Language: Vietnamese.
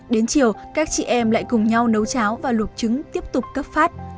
đến chiều các chị em lại cùng nhau nấu cháo và luộc trứng tiếp tục cấp phát